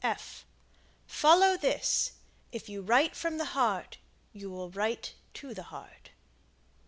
Follow this: If you write from the heart, you will write to the heart.